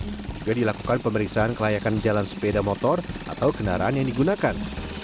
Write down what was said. juga dilakukan pemeriksaan kelayakan jalan sepeda motor atau kendaraan yang digunakan